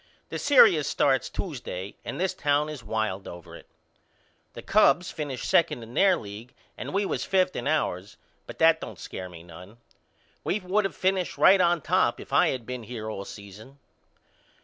The serious starts Tuesday and this town is wild over it. The Cubs finished second in their league and we was fifth in ours but that don't scare me none. We would of finished right on top if I had of been here all season.